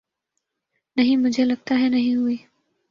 نہیں مجھےلگتا ہے نہیں ہوئی